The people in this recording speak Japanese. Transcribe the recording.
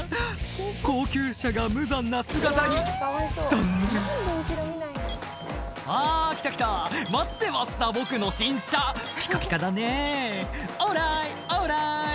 高級車が無残な姿に残念「あぁ来た来た待ってました僕の新車」「ピカピカだねぇオーライオーライ」